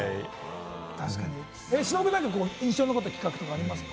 忍君、何か印象に残った企画とかありましたか？